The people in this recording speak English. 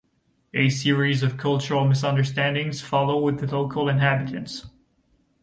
A series of cultural misunderstandings follow with the local inhabitants.